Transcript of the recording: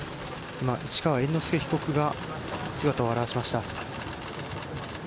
今、市川猿之助被告が姿を現しました。